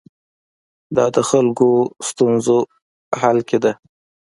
دا د خلکو ستونزو حل کې ده.